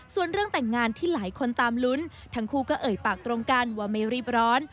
ส่วนเรื่องแต่งงานที่หลายคนตามลุ้นทั้งคู่ก็เอ่ยปากตรงกันว่าไม่รีบร้อน